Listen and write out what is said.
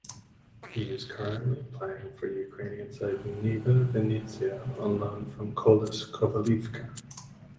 He is currently playing for Ukrainian side Nyva Vinnytsia on loan from Kolos Kovalivka.